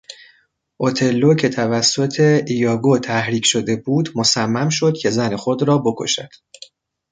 اوتلو که توسط ایاگوتحریک شده بود مصمم شد که زن خود را بکشد.